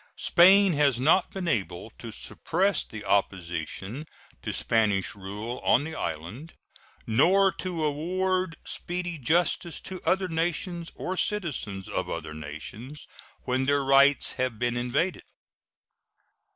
Spain has not been able to suppress the opposition to Spanish rule on the island, nor to award speedy justice to other nations, or citizens of other nations, when their rights have been invaded.